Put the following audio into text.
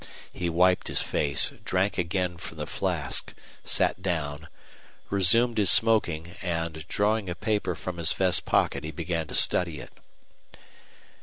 He wiped his face, drank again from the flask, sat down, resumed his smoking, and, drawing a paper from his vest pocket he began to study it.